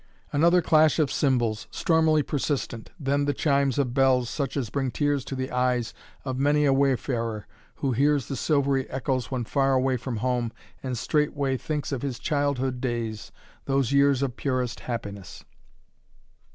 Another clash of cymbals, stormily persistent, then the chimes of bells, such as bring tears to the eyes of many a wayfarer, who hears the silvery echoes when far away from home and straightway thinks of his childhood days, those years of purest happiness.